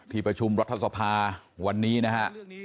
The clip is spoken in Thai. ประชุมรัฐสภาวันนี้นะฮะ